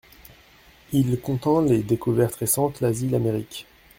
Ils content les découvertes récentes, l'Asie, l'Amérique.